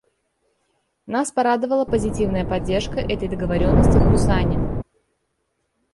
Нас порадовала позитивная поддержка этой договоренности в Пусане.